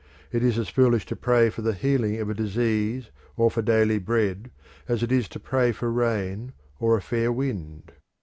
It is as foolish to pray for the healing of a disease or for daily bread as it is to pray for rain or a fair wind.